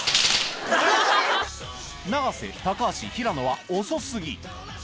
永瀬橋平野は遅過ぎ